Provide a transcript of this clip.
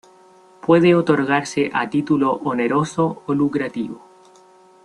Puede otorgarse a título oneroso o lucrativo.